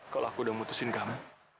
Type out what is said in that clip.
kalau aku sudah memutuskan kamu